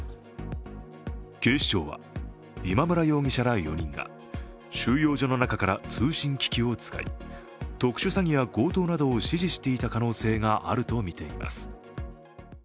警視庁は、今村容疑者ら４人が収容所の中から通信機器を使い、特殊詐欺や強盗などを指示していた可能性があるとみています。